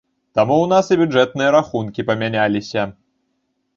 Таму ў нас і бюджэтныя рахункі памяняліся.